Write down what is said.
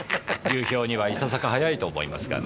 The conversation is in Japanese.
流氷にはいささか早いと思いますがねぇ。